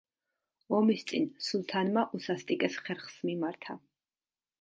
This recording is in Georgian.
ომის წინ სულთანმა უსასტიკეს ხერხს მიმართა.